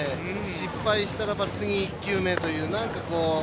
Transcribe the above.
失敗したらば次１球目という。